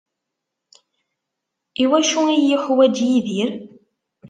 I wacu iyi-yuḥwaǧ Yidir?